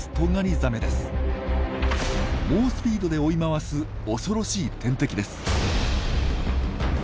猛スピードで追い回す恐ろしい天敵です。